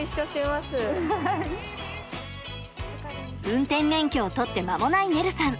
運転免許を取って間もないねるさん。